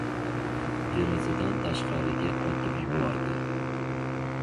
Derazadan tashqariga otib yubordi.